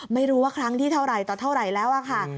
ไม่รู้ว่าครั้งที่เท่าไหร่ต่อเท่าไหร่แล้วค่ะ